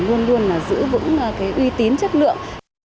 luôn luôn là giữ vững cái ưu tiên chất lượng